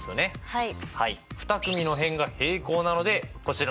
はい。